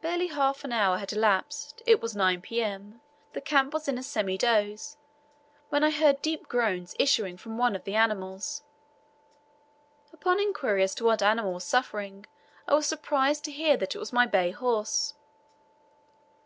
Barely half an hour had elapsed, it was 9 P.M., the camp was in a semi doze, when I heard deep groans issuing from one of the animals. Upon inquiry as to what animal was suffering, I was surprised to hear that it was my bay horse.